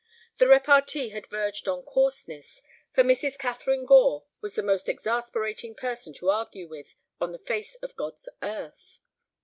The repartee had verged on coarseness, for Mrs. Catharine Gore was the most exasperating person to argue with on the face of God's earth.